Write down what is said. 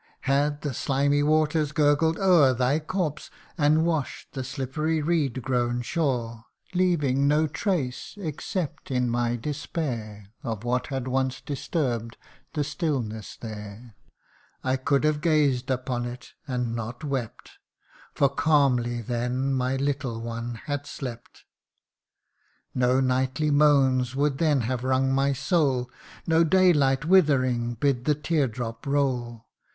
had the slimy waters gurgled o'er Thy corpse, and wash'd the slippery reed grown shore, Leaving no trace, except in my despair, Of what had once disturb 'd the stillness there I could have gazed upon it, and not wept ; For calmly then my little one had slept. No nightly moans would then have wrung my soul ; No daylight withering bid the tear drop roll.